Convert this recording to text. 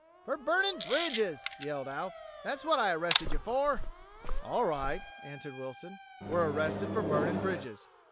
"For burning bridges," yelled Alf. "That's what I arrested you for." "All right," answered Wilson. "We're arrested for burning bridges.